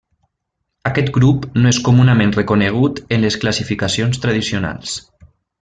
Aquest grup no és comunament reconegut en les classificacions tradicionals.